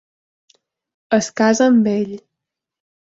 Es casa amb ell.